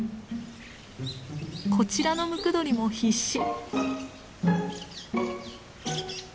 こちらのムクドリも必死。